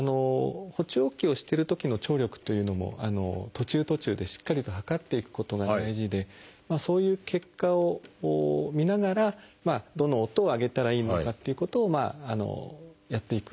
補聴器をしてるときの聴力というのも途中途中でしっかりと測っていくことが大事でそういう結果を見ながらどの音を上げたらいいのかっていうことをやっていく。